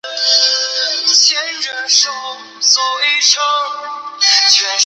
申肯费尔登是奥地利上奥地利州乌尔法尔城郊县的一个市镇。